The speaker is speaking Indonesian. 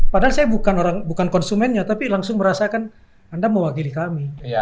padahal saya bukan konsumennya tapi langsung merasakan anda mewakili kami